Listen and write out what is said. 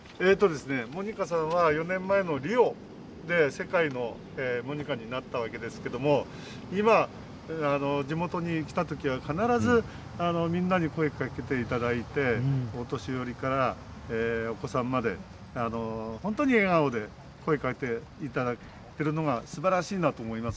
モニカさんは４年前のリオで世界のモニカになったわけですけれども今、地元に来たときは必ず、みんなに声をかけていただいてお年寄りから、お子さんまで本当に笑顔で声をかけていただいているのがすばらしいなと思います。